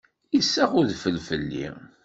Yessaɣ udfel fell-i.